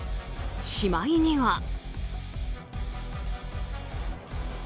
しまいには。